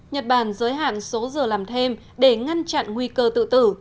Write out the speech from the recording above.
nhật bản giới hạn số giờ làm thêm để ngăn chặn nguy cơ tự tử